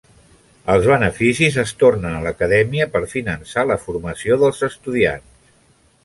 Els beneficis es tornen a l'Acadèmia per finançar la formació dels estudiants.